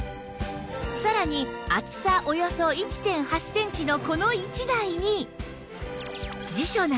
さらに厚さおよそ １．８ センチのこの一台に